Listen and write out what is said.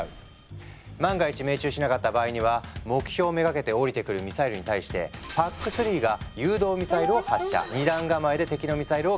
万が一命中しなかった場合には目標めがけて降りてくるミサイルに対してＰＡＣ３が誘導ミサイルを発射。